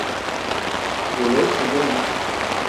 Je l’ai souvent lu.